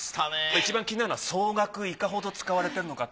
いちばん気になるのは総額いかほど使われているのかと。